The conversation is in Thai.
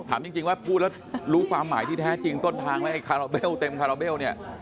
ถามจริงว่าพูดแล้วรู้ความหมายที่แท้จริงต้นทางไหมไอคาราเบลเต็มคาราเบลเนี่ย